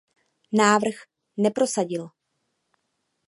Návrh neprosadil.